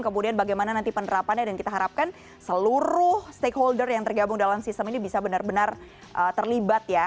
kemudian bagaimana nanti penerapannya dan kita harapkan seluruh stakeholder yang tergabung dalam sistem ini bisa benar benar terlibat ya